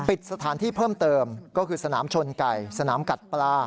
ปิดสถานที่เพิ่มเติมก็คือสนามชนไก่สนามกัดปลา